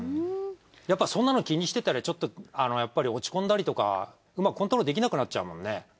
やっぱそんなの気にしてたらやっぱり落ち込んだりとかうまくコントロールできなくなっちゃうもんね。